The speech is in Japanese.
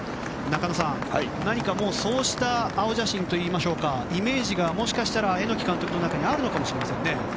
中野さん、何かそうした青写真といいましょうかイメージがもしかしたら榎木監督の中にあるのかもしれませんね。